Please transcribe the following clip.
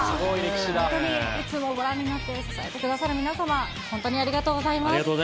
本当にいつもご覧になって支えてくださる皆様、本当にありがとうございます。